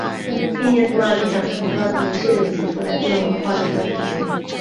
青年土耳其党政府发动一系列的举措来边缘化其他族群。